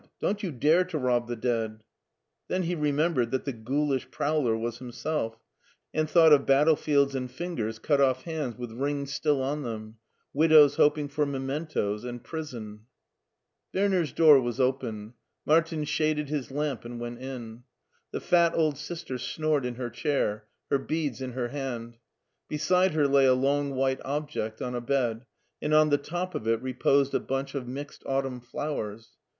Don't you dare to rob the dead !" Then he remembered that the ghoulish prowler was himself, and thought of 8o MARTIN SCHULER battlefields and fingers cut off hands with rings still on them, widows hoping for mementoes, and prison. Wemer^s door was open. Martin shaded his lamp and went in. The fat old Sister snored in her chair, her beads in her hand. Beside her lay a long white object on a bed, and on the top of it reposed a bunch of mixed autumn flowers.